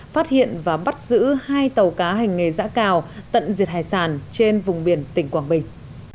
phát hiện và bắt giữ hai tàu cá hành nghề giã cào tận diệt hải sản trên vùng biển tỉnh quảng bình